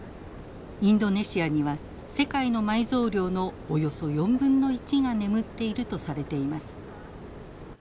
インドネシアには世界の埋蔵量のおよそ４分の１が眠っているとされています。